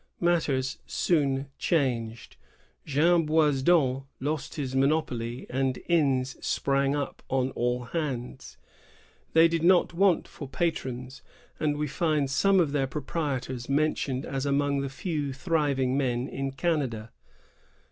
^ Matters soon changed; Jean Boisdon lost his monopoly, and inns sprang up on all hands. They did not want for patrons, and we find some of their proprietors mentioned as among the few thriving men in Canada.